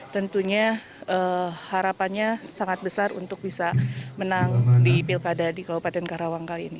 tentunya harapannya sangat besar untuk bisa menang di pilkada di kabupaten karawang kali ini